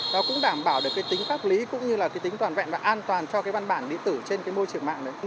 nó cũng đảm bảo tính pháp lý tính toàn vẹn và an toàn cho văn bản điện tử trên môi trường mạng